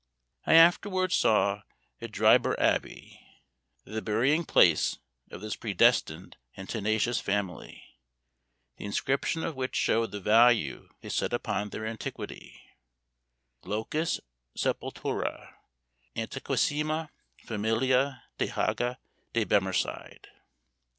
I afterwards saw, at Dryburgh Abbey, the burying place of this predestinated and tenacious family, the inscription of which showed the value they set upon their antiquity: Locus Sepultura, Antiquessima Familia De Haga De Bemerside.